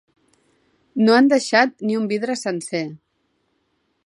No han deixat ni un vidre sencer.